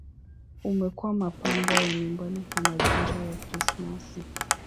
Umekuwa mapambo ya nyumbani kwa majira ya Krismasi.